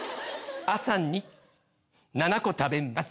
朝に７個食べます。